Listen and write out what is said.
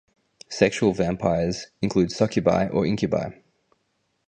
Sexual vampires include succubi or incubi.